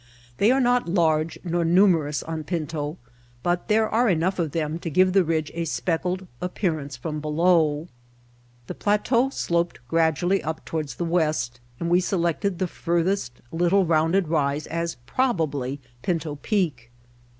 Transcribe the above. They are not large nor numerous on Pinto, but there are enough of them to give the ridge a speckled appearance from below. The plateau sloped gradually up toward the west and we selected White Heart of Mojave the furthest little rounded rise as probably Pinto Peak.